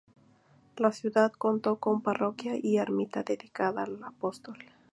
La Ciudad contó con parroquia y ermita dedicada al apóstol.